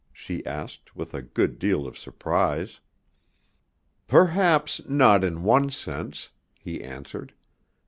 she asked with a good deal of surprise. "Perhaps not in one sense," he answered.